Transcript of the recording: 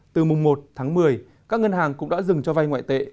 từ mùng một tháng một mươi các ngân hàng cũng đã dừng cho vay ngoại tệ